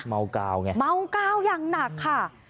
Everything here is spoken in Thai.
เมา่ากาวยังหนักค่ะ